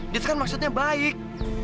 dia kan maksudnya baik